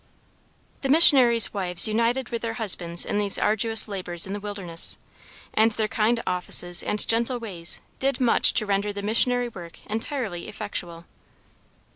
The missionaries' wives united with their husbands in these arduous labors in the wilderness, and their kind offices and gentle ways did much to render the missionary work entirely effectual.